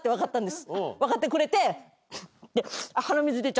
分かってくれて。